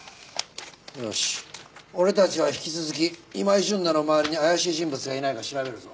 よし俺たちは引き続き今井純奈の周りに怪しい人物がいないか調べるぞ。